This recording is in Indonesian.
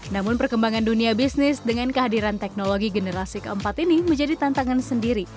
namun perkembangan dunia bisnis dengan kehadiran teknologi generasi keempat ini menjadi tantangan sendiri